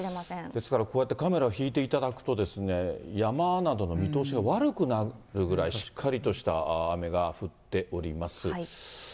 ですから、こうやってカメラ引いていただくと、山などの見通しが悪くなるぐらい、しっかりとした雨が降っております。